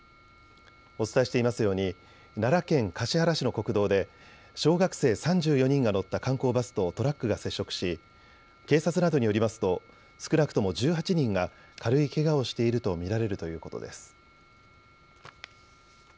お伝えしていますように奈良県橿原市の国道で小学生３４人が乗った観光バスとトラックが接触し警察などによりますと少なくとも１８人が軽いけがをしていると見られるということです。